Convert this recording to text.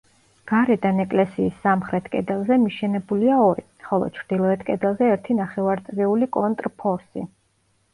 გარედან ეკლესიის სამხრეთ კედელზე მიშენებულია ორი, ხოლო ჩრდილოეთ კედელზე ერთი ნახევარწრიული კონტრფორსი.